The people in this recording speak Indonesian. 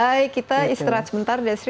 baik kita istirahat sebentar desri